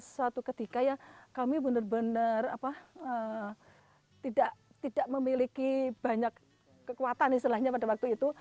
suatu ketika ya kami benar benar tidak memiliki banyak kekuatan istilahnya pada waktu itu